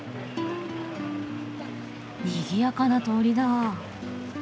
にぎやかな通りだ。